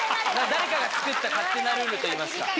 誰かが作った勝手なルールといいますか。